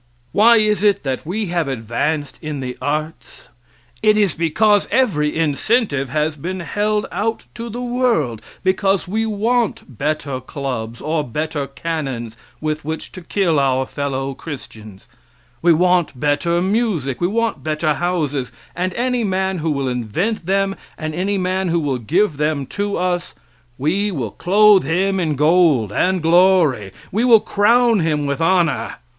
Why is it that we have advanced in the arts? It is because every incentive has been held out to the world; because we want better clubs or better cannons with which to kill our fellow Christians; we want better music, we want better houses, and any man who will invent them, and any man who will give them to us we will clothe him in gold and glory; we will crown him with honor.